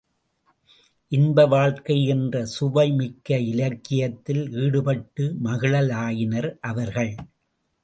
இன்ப வாழ்க்கை என்ற சுவைமிக்க இலக்கியத்தில் ஈடுபட்டு மகிழலாயினர் அவர்கள்.